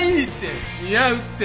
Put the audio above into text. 似合うって。